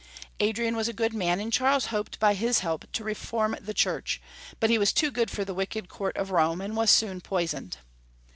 Adrian was a good man, and Charles hoped by his help to reform the Church, but he was too good for the wicked court of Rome, and was soon poisoned.